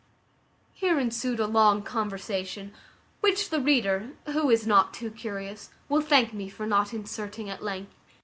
Here ensued a long conversation, which the reader, who is not too curious, will thank me for not inserting at length.